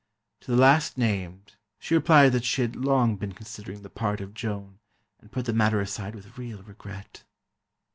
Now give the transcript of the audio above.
To the last named, she replied that she had long been considering the part of Joan, and put the matter aside with real regret.